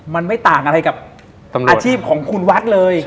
มันไม่ต่างอะไรกับอาชีพของคุณวัดเลย